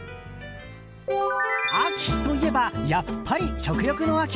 秋といえばやっぱり食欲の秋！